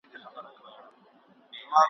لکه ښه ورځ چي یې هیڅ نه وي لیدلې ,